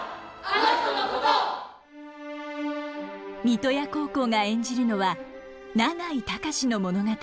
三刀屋高校が演じるのは永井隆の物語。